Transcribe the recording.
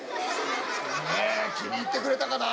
ねえ気に入ってくれたかな？